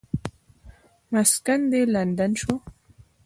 مسکن دې لندن شو.